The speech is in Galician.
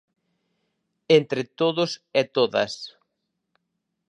Entre todos e todas.